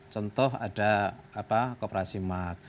contoh ada koperasi mak